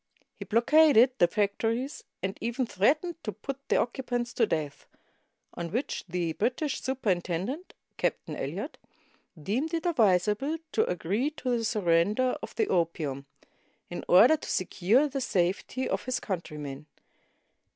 He blockaded the factories, and even threatened to put the occupants to death; on which the British superintendent — Cap tain Eliot — deemed it advisable to agree to the sur render of the opium, in order to secure the safety of his countrymen.